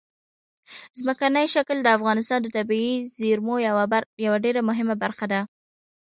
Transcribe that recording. ځمکنی شکل د افغانستان د طبیعي زیرمو یوه ډېره مهمه برخه ده.